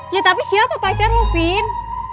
ya tapi siapa pacar lu vin